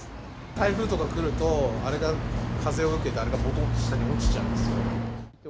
台風とか来ると、あれが風を受けて、あれがぼとっと下に落ちちゃうんですよ。